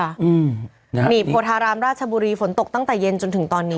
หนีบโพธารามราชบุรีฝนตกตั้งแต่เย็นจนถึงตอนนี้